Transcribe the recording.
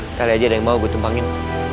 sekali aja ada yang mau gue tumpangin